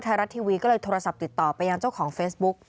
ไทยรัฐทีวีก็เลยโทรศัพท์ติดต่อไปยังเจ้าของเฟซบุ๊ก